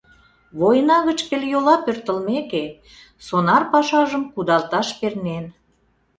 Война гыч пелйола пӧртылмеке, сонар пашажым кудалташ пернен.